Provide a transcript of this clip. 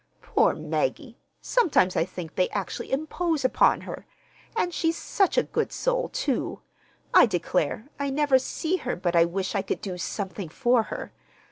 Poor Maggie! Sometimes I think they actually impose upon her. And she's such a good soul, too! I declare, I never see her but I wish I could do something for her.